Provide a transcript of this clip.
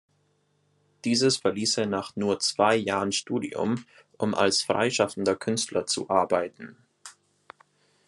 Dieses verließ er nach nur zwei Jahren Studium, um als freischaffender Künstler zu arbeiten.